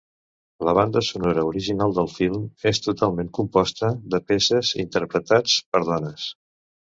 La banda sonora original del film és totalment composta de peces interpretats per dones.